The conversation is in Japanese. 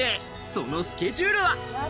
そのスケジュールは。